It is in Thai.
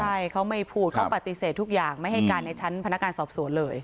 ใช่เขาไม่พูดเขาปฏิเสธทุกอย่างไม่ให้การในชั้นพนักงานสอบสวนเลย